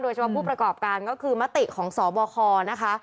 เฉพาะผู้ประกอบการก็คือมติของสบคนะคะ